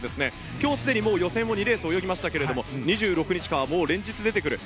今日すでに予選２レースを泳ぎましたが２６日からは連日出てきます。